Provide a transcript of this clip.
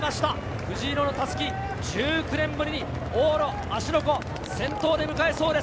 藤色の襷、１９年ぶり、往路芦ノ湖を先頭で迎えそうです。